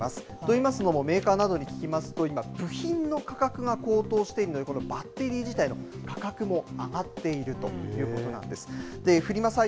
と言いますのもメーカーなどに聞くと部品の価格が高騰しているバッテリー自体の価格も上がっているということなんです。